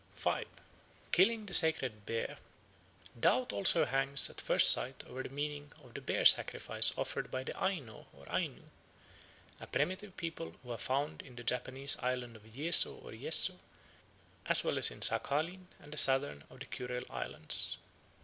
5. Killing the Sacred Bear DOUBT also hangs at first sight over the meaning of the bear sacrifice offered by the Aino or Ainu, a primitive people who are found in the Japanese island of Yezo or Yesso, as well as in Saghalien and the southern of the Kurile Islands.